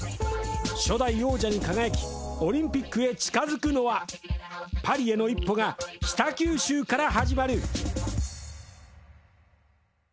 初代王者に輝き、オリンピックへ近づくのはパリへの一歩が北九州から始まる。